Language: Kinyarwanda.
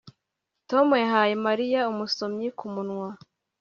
Tom yahaye Mariya umusomyi ku munwa